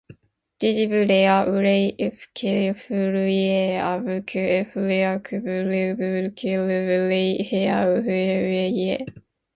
ｄｄｖ れあうれい ｆ け ｆ るいええあ ｖｋｆ れあ ｖ け ｒｖ け ｒｖ れいへはうふぁういえ